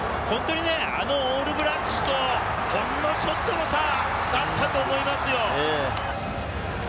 あのオールブラックスと、ほんのちょっとの差だったと思います。